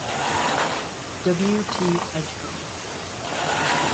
W. T. Edgecombe.